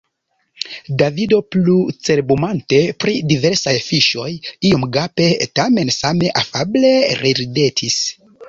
Davido, plu cerbumante pri diversaj fiŝoj, iom gape tamen same afable reridetis.